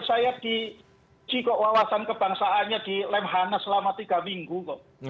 saya dijiwa wawasan kebangsaannya di lemhana selama tiga minggu kok